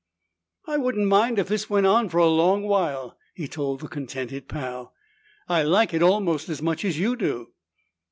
"I wouldn't mind if this went on for a long while!" he told the contented Pal. "I like it almost as much as you do!"